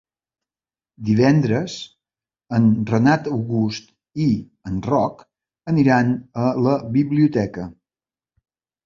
Divendres en Renat August i en Roc aniran a la biblioteca.